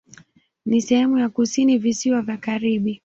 Ni sehemu ya kusini Visiwa vya Karibi.